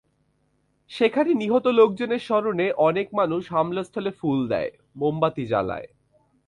সেখানে নিহত লোকজনের স্মরণে অনেক মানুষ হামলাস্থলে ফুল দেয়, মোমবাতি জ্বালায়।